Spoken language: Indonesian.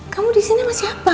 kamu di sini sama siapa